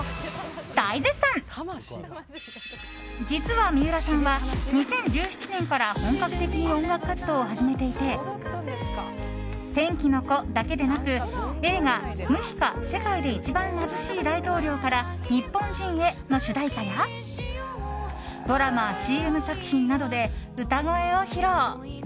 実は三浦さんは２０１７年から本格的に音楽活動を始めていて「天気の子」だけでなく映画「ムヒカ世界でいちばん貧しい大統領から日本人へ」の主題歌やドラマ・ＣＭ作品などで歌声を披露。